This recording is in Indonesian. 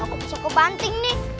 aku bisa ke banting nih